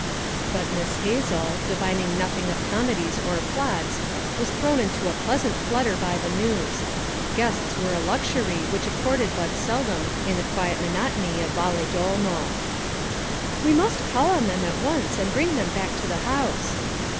But Miss Hazel, divining nothing of comedies or plots, was thrown into a pleasant flutter by the news. Guests were a luxury which occurred but seldom in the quiet monotony of Valedolmo. 'We must call on them at once and bring them back to the house.'